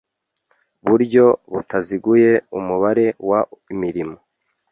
buryo butaziguye umubare w imirimo